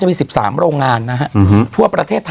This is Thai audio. จะมี๑๓โรงงานนะฮะถ้วนประเทศไทย